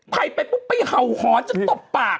ภัยไปปุ๊บไปเห่าหอนจะตบปาก